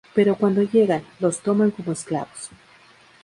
Pero cuando llegan, los toman como esclavos.